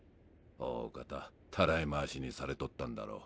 おおかたたらい回しにされとったんだろう。